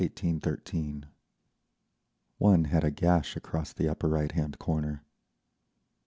… One had a gash across the upper right hand corner.